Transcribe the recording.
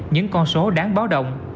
những con số đáng báo động